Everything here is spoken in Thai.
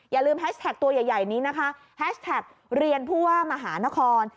อย่าลืมแฮชแท็กตัวใหญ่นี้นะคะแฮชแท็กเรียนผู้ว่ามหานคร